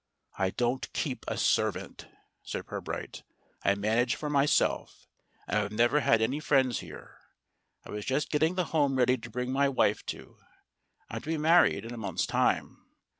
"I don't keep a servant," said Pirbright. "I man age for myself. And I've never had any friends here. I was just getting the home ready to bring my wife to I'm to be married in a month's time.